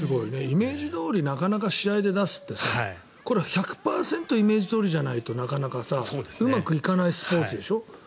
イメージどおりなかなか試合で出すってさこれ、１００％イメージどおりじゃないとなかなかうまくいかないスポーツでしょ。